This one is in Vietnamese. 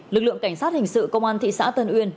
lực lượng cảnh sát hình sự công an thị xã tân uyên